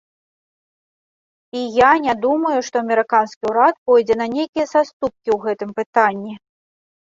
І я не думаю, што амерыканскі ўрад пойдзе на нейкія саступкі ў гэтым пытанні.